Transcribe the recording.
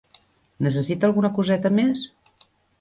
Necessita alguna coseta més?